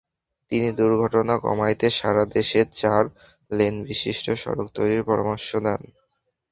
তিনি দুর্ঘটনা কমাতে সারা দেশে চার লেনবিশিষ্ট সড়ক তৈরির পরামর্শ দেন।